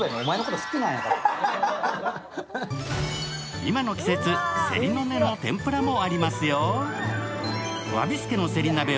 今の季節、せりの根の天ぷらもありますよ。